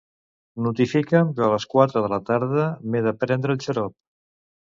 Notifica'm que a les quatre de la tarda m'he de prendre el xarop.